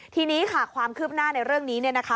ทีนี้ค่ะความคืบหน้าในเรื่องนี้เนี่ยนะคะ